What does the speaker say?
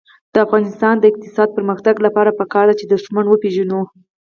د افغانستان د اقتصادي پرمختګ لپاره پکار ده چې دښمن وپېژنو.